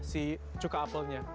si cuka apelnya